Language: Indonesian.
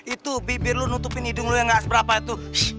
itu bibir lu nutupin hidung lo yang gak seberapa itu